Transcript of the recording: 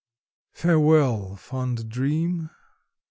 Farewell, fond dream!"